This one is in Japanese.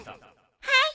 はい。